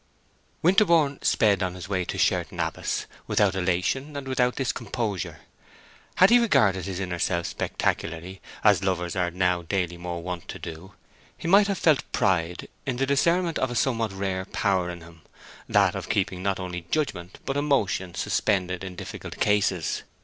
Winterborne sped on his way to Sherton Abbas without elation and without discomposure. Had he regarded his inner self spectacularly, as lovers are now daily more wont to do, he might have felt pride in the discernment of a somewhat rare power in him—that of keeping not only judgment but emotion suspended in difficult cases.